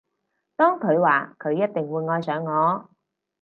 當佢話佢一定會愛上我